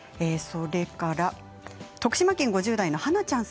それから徳島県５０代の方です。